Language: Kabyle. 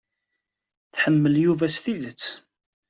Tḥemmel Yuba s tidet.